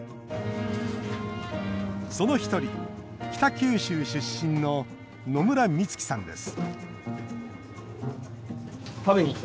その一人北九州出身の野村満樹さんです